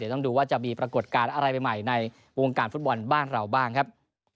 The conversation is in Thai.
ต้องดูว่าจะมีปรากฏการณ์อะไรใหม่ในวงการฟุตบอลบ้านเราบ้างครับ